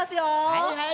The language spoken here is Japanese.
はいはい。